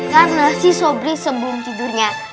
karena si sobri sebelum tidurnya